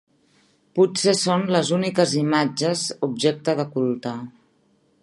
Potser són les úniques imatges objecte de culte.